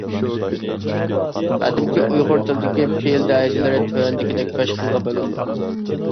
قەدىمكى ئۇيغۇر تىلىدىكى پېئىل دەرىجىلىرى تۆۋەندىكىدەك بەش خىلغا بۆلۈنىدۇ.